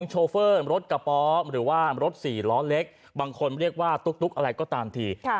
โชเฟอร์รถกระป๋อหรือว่ารถ๔ล้อเล็กบางคนเรียกว่าตุ๊กอะไรก็ตามที